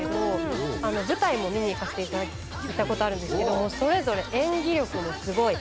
舞台も見に行かせていただいたことあるんですけどそれぞれ演技力もすごい。